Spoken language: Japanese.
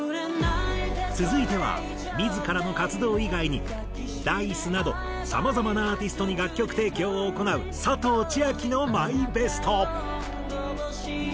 続いては自らの活動以外にＤａ−ｉＣＥなどさまざまなアーティストに楽曲提供を行う佐藤千亜妃のマイベスト。